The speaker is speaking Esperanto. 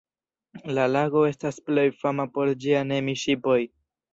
La lago estas plej fama por ĝia Nemi-ŝipoj.